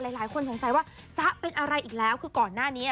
หลายคนสงสัยว่าจ๊ะเป็นอะไรอีกแล้วคือก่อนหน้านี้